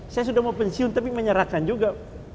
saya sudah mau pensiun tapi menyerahkan juga